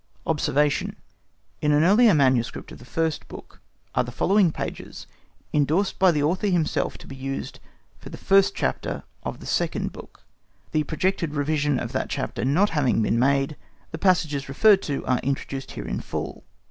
OBSERVATION. In an earlier manuscript of the second book are the following passages endorsed by the author himself to be used for the first Chapter of the second Book: the projected revision of that chapter not having been made, the passages referred to are introduced here in full.